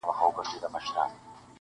• د هستۍ یو نوم اجل بل یې ژوندون ..